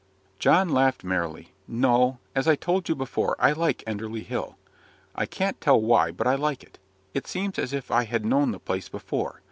John laughed merrily. "No, as I told you before, I like Enderley Hill. I can't tell why, but I like it. It seems as if I had known the place before.